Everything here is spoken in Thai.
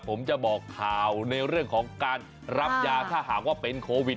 ผมจะบอกข่าวในเรื่องของการรับยาถ้าหากว่าเป็นโควิด